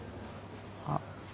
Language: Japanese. あっ。